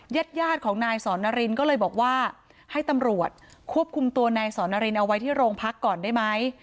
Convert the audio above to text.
ญาติยาดของนายสอนนารินก็เลยบอกว่าให้ตำรวจควบคุมตัวนายสอนรินเอาไว้ที่โรงพักก่อนได้ไหม